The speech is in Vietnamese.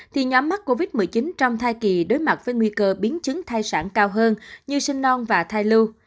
thì nhóm mắc covid một mươi chín trong thai kỳ đối mặt với nguy cơ biến chứng thai sản cao hơn như sinh non và thai lưu